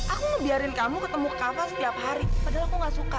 aku mau biarin kamu ketemu kak fah setiap hari padahal aku nggak suka